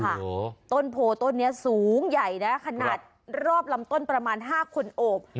โอ้โหต้นโพต้นนี้สูงใหญ่นะขนาดรอบลำต้นประมาณ๕คนโอบ